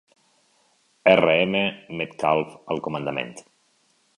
R. M. Metcalf al comandament.